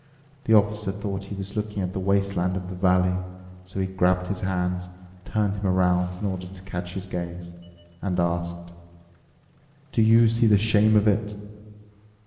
The Officer thought he was looking at the wasteland of the valley. So he grabbed his hands, turned him around in order to catch his gaze, and asked, "Do you see the shame of it?"